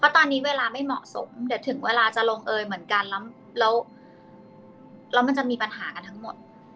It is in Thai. ตอนนี้เวลาไม่เหมาะสมเดี๋ยวถึงเวลาจะลงเอยเหมือนกันแล้วมันจะมีปัญหากันทั้งหมด